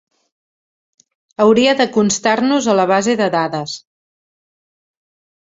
Hauria de constar-nos a la base de dades.